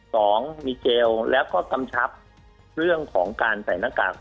สองมีเกลแล้วก็กำชับเรื่องของการใส่หน้ากาก